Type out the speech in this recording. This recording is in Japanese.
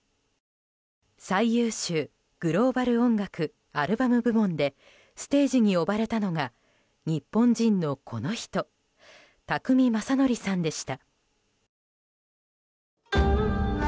最優秀グローバル音楽アルバム部門でステージに呼ばれたのが日本人のこの人宅見将典さんでした。